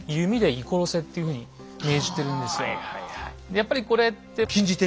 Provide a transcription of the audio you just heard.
やっぱりこれって。